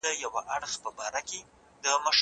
د علم په اړوند مفاهیمو باندي مباحثې کيږي.